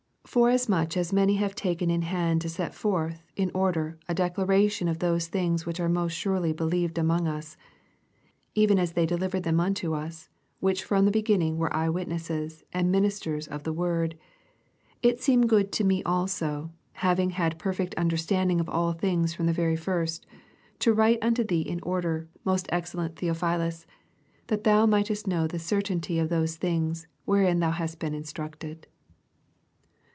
1 Forasmnoli as many have taken In hand to set forth in order a declar ration of those things which are most surely believed among us, 2 Even as they delivered them unto us, which from the be^nning were eyewitnesses, and ministers of the word; 8 It seemed good to me also, haT* in^ had perfect understanding of all things from the very first, to write unto thee in order, most excellent Theophilus, 4 That thou mightest know the certfdnty of those things, wherein thou hast been instructeo.